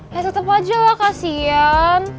ya tetep aja lah kasian